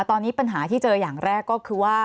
เรื่องที่เจออย่างแรกก็คือว่า